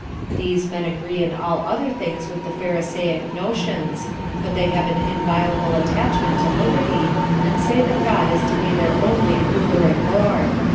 These men agree in all other things with the Pharisaic notions; but they have an inviolable attachment to liberty, and say that God is to be their only Ruler and Lord.